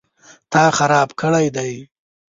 _تا خراب کړی دی؟